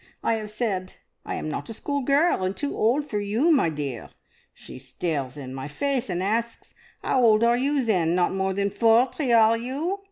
I have said, `I am not a schoolgirl, and too old for you, my dear.' She stares in my face, and asks, `'Ow old are you then? Not more than forty, are you?'